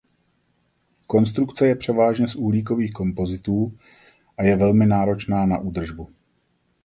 Konstrukce je převážně z uhlíkových kompozitů a je velmi náročná na údržbu.